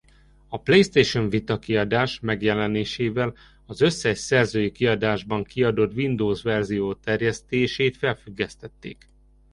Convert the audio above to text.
A PlayStation Vita-kiadás megjelenésével az összes szerzői kiadásban kiadott Windows-verzió terjesztését felfüggesztették.